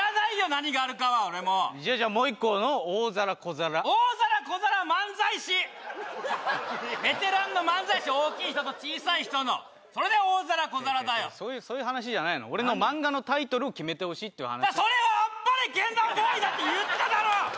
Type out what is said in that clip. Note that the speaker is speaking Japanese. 何があるかは俺もじゃあもう１個の「大皿小皿」大皿小皿は漫才師ベテランの漫才師大きい人と小さい人のそれで大皿小皿だよそういう話じゃないの俺のマンガのタイトルを決めてほしいっていう話それは「あっぱれけん玉ボーイ」だって言っただろ！